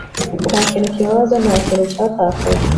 nta kintu kibabaza; nta kintu cyatakaye